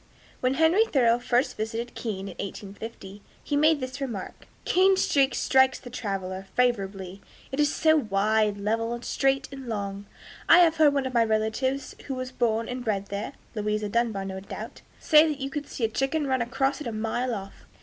When Henry Thoreau first visited Keene, in 1850, he made this remark: "Keene Street strikes the traveler favorably; it is so wide, level, straight, and long. I have heard one of my relatives who was born and bred there [Louisa Dunbar, no doubt] say that you could see a chicken run across it a mile off."